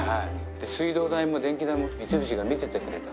で水道代も電気代も三菱が見ててくれた。